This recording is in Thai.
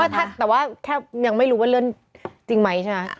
แต่ว่าแค่ยังไม่รู้ว่าเลื่อนจริงไหมใช่ไหม